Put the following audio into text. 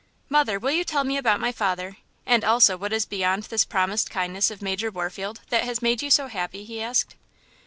"Mother, will you tell me about my father, and also what it is beyond this promised kindness of Major Warfield that has made you so happy?" he asked.